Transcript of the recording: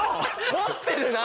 持ってるな。